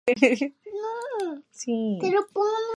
Y más tarde fue nombrada catedrática en Historia Moderna.